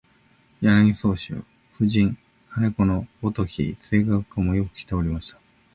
柳宗悦、夫人兼子のごとき声楽家もよくきておりました